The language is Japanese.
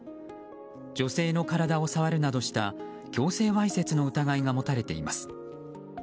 女性の体を触るなどした強制わいせつの疑いが持たれています。